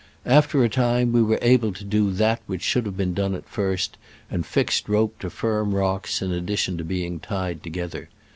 After a time we were able to do that which should have been done at first, and fixed rope to firm rocks, in addition to being tied together.